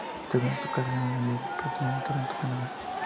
Terminó su carrera en la liga profesional de Toronto, Canadá.